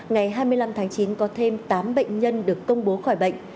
ngày hai mươi năm tháng chín có thêm tám bệnh nhân được công bố khỏi bệnh